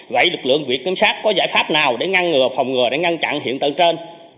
vậy lực lượng viện kiểm sát có giải pháp nào để ngăn ngừa phòng ngừa để ngăn chặn hiện tượng trên